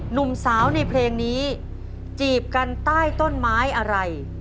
หนุ่มสาวในเพลงนี้จีบกันใต้ต้นไม้อะไร